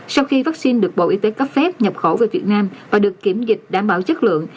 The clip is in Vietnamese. sau khi vaccine được bộ y tế cấp phép nhập khẩu về việt nam và được kiểm dịch đảm bảo chất lượng